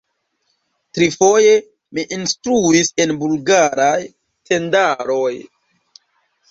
Trifoje mi instruis en Bulgaraj tendaroj.